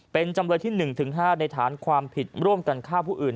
เป็นจำเลยที่๑๕ในฐานความผิดร่วมกันฆ่าผู้อื่น